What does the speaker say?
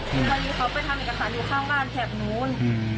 พอดีพ่อเขาไปทำเอกสารนะคะพอดีเขาไปทำเอกสารอยู่ข้างบ้านแถบนู้น